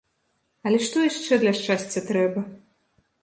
Але што яшчэ для шчасця трэба?